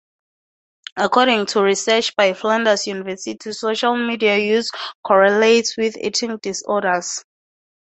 According to research by Flinders University social media use correlates with eating disorders.